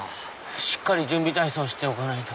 しっかり準備体操しておかないと。